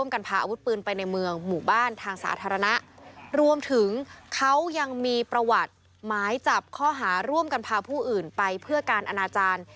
เขายังมีประวัติหมายจับข้อหาร่วมกันพาผู้อื่นไปเพื่อการอนาจารย์